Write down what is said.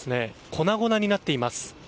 粉々になっています。